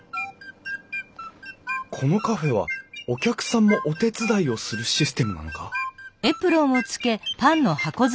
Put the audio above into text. このカフェはお客さんもお手伝いをするシステムなのか？